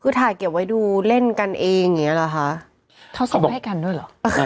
คือถ่ายเก็บไว้ดูเล่นกันเองอย่างเงี้เหรอคะเขาส่งให้กันด้วยเหรอ